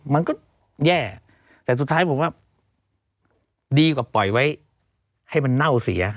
มันก็แย่แต่สุดท้ายผมว่าดีกว่าปล่อยไว้ให้มันเน่าเสีย